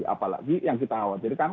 apalagi yang kita khawatirkan